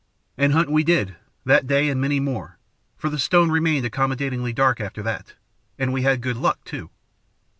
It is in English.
"And hunt we did, that day, and many more for the stone remained accommodatingly dark after that and we had good luck, too.